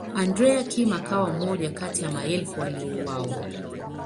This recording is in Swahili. Andrea Kim akawa mmoja kati ya maelfu waliouawa.